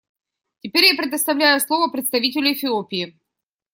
Теперь я предоставляю слово представителю Эфиопии.